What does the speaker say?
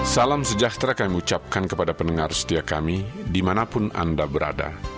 salam sejahtera kami ucapkan kepada pendengar setia kami dimanapun anda berada